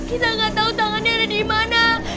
kita gak tau tangannya ada dimana